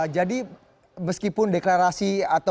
jadi meskipun deklarasi atau